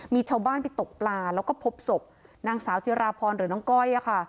มีชาวบ้านไปตกปลาแล้วก็พบศพนางสาวจิราพรหรือน้องก้อยอะค่ะ